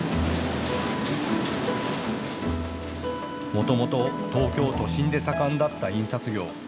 もともと東京都心で盛んだった印刷業。